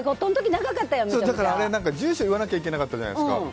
住所言わなきゃいけなかったじゃないですか。